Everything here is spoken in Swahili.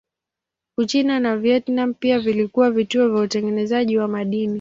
Uchina na Vietnam pia vilikuwa vituo vya utengenezaji wa madini.